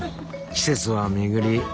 季節は巡り